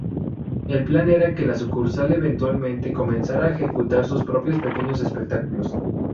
El plan era que la sucursal eventualmente comenzara a ejecutar sus propios pequeños espectáculos.